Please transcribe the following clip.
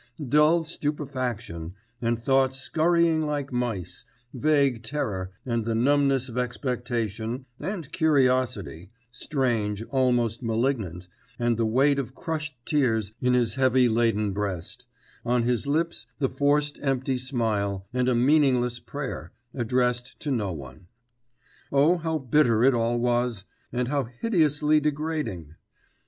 Dull stupefaction, and thoughts scurrying like mice, vague terror, and the numbness of expectation, and curiosity strange, almost malignant and the weight of crushed tears in his heavy laden breast, on his lips the forced empty smile, and a meaningless prayer addressed to no one.... Oh, how bitter it all was, and how hideously degrading!